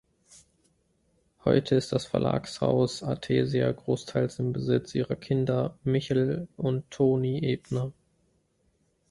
Heute ist das Verlagshaus Athesia großteils im Besitz ihrer Kinder Michl und Toni Ebner.